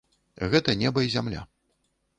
Гэта неба і зямля.